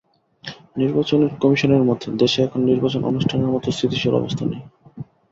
নির্বাচন কমিশনের মতে, দেশে এখন নির্বাচন অনুষ্ঠানের মতো স্থিতিশীল অবস্থা নেই।